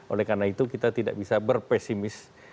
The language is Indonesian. oleh karena itu kita tidak bisa berpesimis